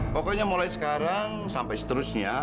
pokoknya mulai sekarang sampai seterusnya